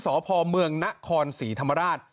สพเมืองนครศรีธรรมราช